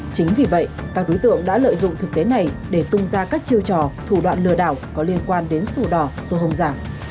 chính vì vậy các đối tượng đã lợi dụng thực tế này để tung ra các chiêu trò thủ đoạn lừa đảo có liên quan đến sổ đỏ sổ hồng giả